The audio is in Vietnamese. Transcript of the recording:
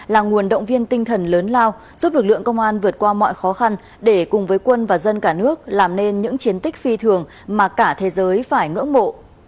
là nguồn động viên tinh thần lớn lao giúp lực lượng công an vượt qua mọi khó khăn để cùng với quân và dân cả nước làm nên những chiến tích phi thường mà cả thế giới phải ngưỡng mộ